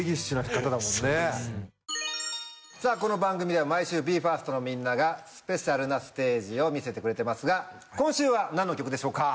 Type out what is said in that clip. さぁこの番組では毎週ＢＥ：ＦＩＲＳＴのみんながスペシャルなステージを見せてくれてますが今週は何の曲でしょうか？